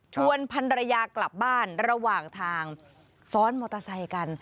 พันรยากลับบ้านระหว่างทางซ้อนมอเตอร์ไซค์กัน